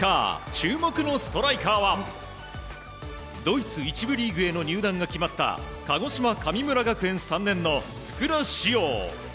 注目のストライカーはドイツ１部リーグへの入団が決まった鹿児島・神村学園３年の福田師王。